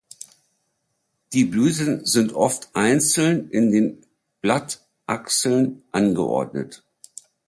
Die Blüten sind oft einzeln in den Blattachseln angeordnet.